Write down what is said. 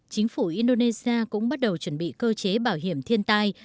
chính phủ indonesia cũng bắt đầu chuẩn bị cơ chế bảo hiểm thiên tai